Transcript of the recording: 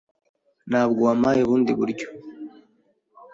Ntabwo wampaye ubundi buryo.